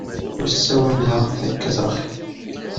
Ur ssawaleɣ takazaxit.